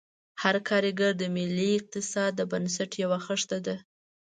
هر کارګر د ملي اقتصاد د بنسټ یوه خښته ده.